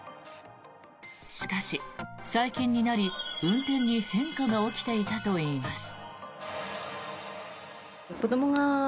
しかし最近になり、運転に変化が起きていたといいます。